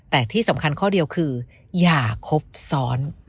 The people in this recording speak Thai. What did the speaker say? แต่ที่สำคัญข้อเดียวคืออย่าครบซ้อน